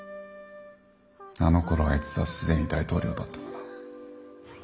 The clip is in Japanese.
あのころあいつは既に大統領だったな。